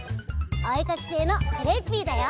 おえかきせいのクレッピーだよ！